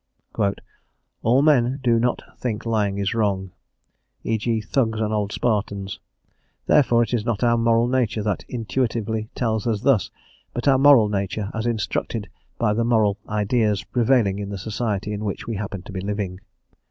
* All men do not think lying wrong, e g.. Thugs and old Spartans. Therefore it is not our moral nature that intuitively tells us thus, but our moral nature as instructed by the moral ideas prevailing in the society in which we happen to be living.